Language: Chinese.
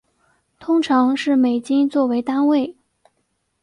通常是美金做为单位。